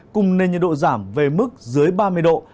cùng nền nhiệt độ giảm về mức dưới ba mươi độ